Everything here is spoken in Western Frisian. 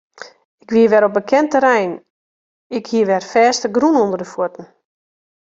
Ik wie wer op bekend terrein, ik hie wer fêstegrûn ûnder de fuotten.